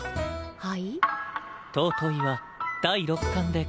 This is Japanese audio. はい？